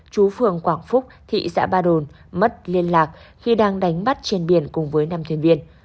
chú phường quảng phúc thị xã ba đồn mất liên lạc khi đang đánh bắt trên biển cùng với năm thuyền viên